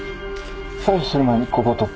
採取する前にここを撮って。